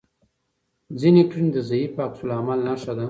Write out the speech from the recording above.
ځینې کړنې د ضعیف عکس العمل نښه ده.